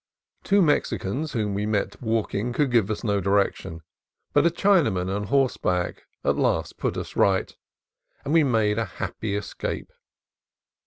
Two Mexicans whom we met walking could give us no directions, but a Chinaman on horseback at last put us right, and we made a happy escape.